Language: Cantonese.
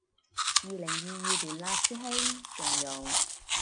二零二二年嘞師兄，仲用